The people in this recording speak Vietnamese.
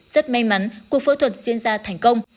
rất may mắn cuộc phẫu thuật diễn ra thành công